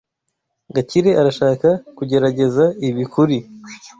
Gakire arashaka kugerageza ibi kuri.